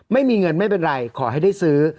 ไม่มีเงินไม่เป็นไรขอให้ได้ซื้อ